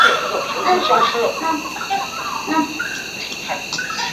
杨善人。